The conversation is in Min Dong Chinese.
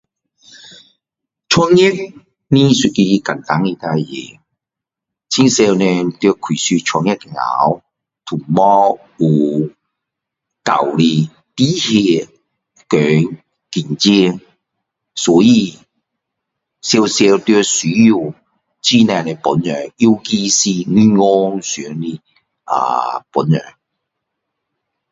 创业不是一个简单的事情很多人在开始创业的时候都没有有够的经验和赚钱所以常常都需要很多人帮助尤其是银行上的啊帮助